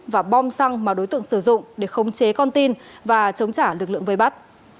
và bom xăng mà đối tượng sử dụng để khống chế con tin và chống trả lực lượng vây bắt